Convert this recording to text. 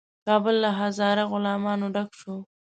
کابل له هزاره غلامانو ډک شو.